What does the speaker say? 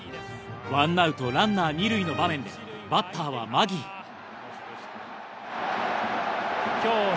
ワンアウトランナー二塁の場面でバッターは。というマギーです。